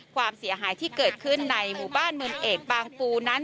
ความเสียหายที่เกิดขึ้นในหมู่บ้านมนเอกบางปูนั้น